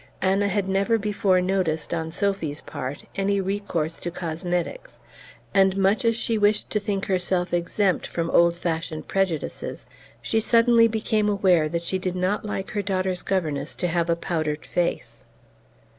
Anna had never before noticed, on Sophy's part, any recourse to cosmetics, and, much as she wished to think herself exempt from old fashioned prejudices, she suddenly became aware that she did not like her daughter's governess to have a powdered face.